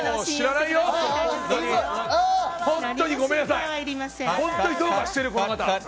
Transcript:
本当にごめんなさい。